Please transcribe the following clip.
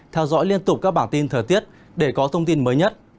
theo dõi liên tục các bản tin thời tiết để có thông tin mới nhất